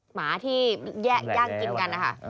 หมาที่ย่างกินกันนะคะ